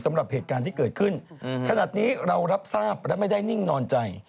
สำหรับเหตุการณ์ที่เกิดขึ้นขนาดนี้เรารับทราบและไม่ได้นิ่งนอนใจ